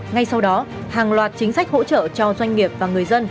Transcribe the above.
ngay sau đó hàng loạt chính sách hỗ trợ cho doanh nghiệp và người dân